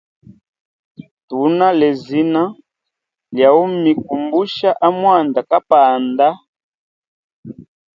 Tunalezina lya umikumbusha a mwanda kapanda.